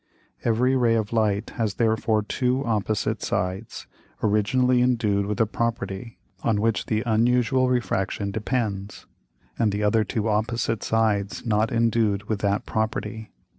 Every Ray of Light has therefore two opposite Sides, originally endued with a Property on which the unusual Refraction depends, and the other two opposite Sides not endued with that Property.